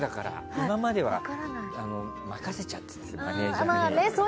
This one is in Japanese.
今までは任せちゃっててさマネージャーに。